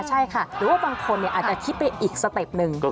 ใช่ค่ะหรือว่าบางคนอาจจะคิดไปอีกสเต็ปหนึ่ง